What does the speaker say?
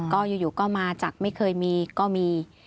ก็อยู่ก็มาจากไม่เคยมีก็มี